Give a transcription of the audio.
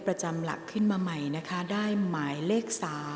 ประจำหลักขึ้นมาใหม่นะคะได้หมายเลข๓